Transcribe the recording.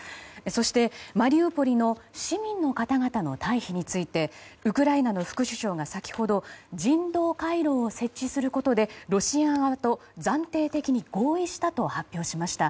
そして、マリウポリの市民の方々の退避についてウクライナの副首相が先ほど人道回廊を設置することでロシア側と暫定的に合意したと発表しました。